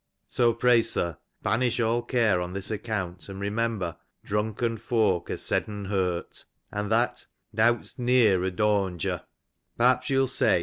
So pray, sir, banish all care on ' this account, and remember ' drunken fok ar' sed^n hurt," and that '' nowt's neer eh dawnger.' Perhaps you^ll say.